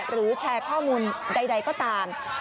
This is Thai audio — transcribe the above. แชร์ข้อมูลใดก็ตาม